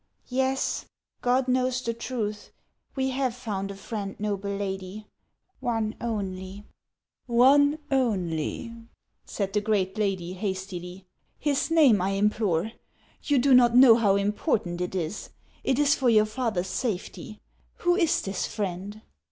" Yes. God knows the truth, we have found a friend, noble lady, — one only !"" One only !" said the great lady, hastily. " His name, I implore. You do not know how important it is; it is for your father's safety. Who is this friend